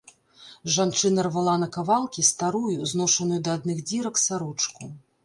Жанчына рвала на кавалкі старую, зношаную да адных дзірак сарочку.